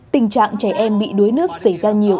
tình trạng trẻ em bị đuối nước xảy ra nhiều